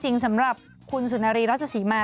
จริงสำหรับคุณสุนารีรัชศรีมา